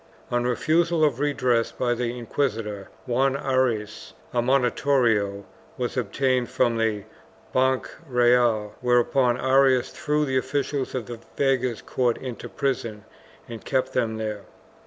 On refusal of redress by the inquisitor, Juan Arias, a monitorio was obtained from the Banch Reyal, whereupon Arias threw the officials of the veguer's court into prison and kept them there.